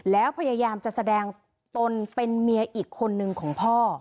แล้วพยายามจะแสดงตนเป็นเมียอีกคนนึงของพ่อ